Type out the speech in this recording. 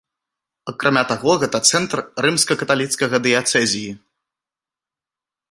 Акрамя таго, гэта цэнтр рымска-каталіцкага дыяцэзіі.